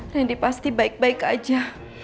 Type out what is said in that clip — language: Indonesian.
randy pasti baik baik aja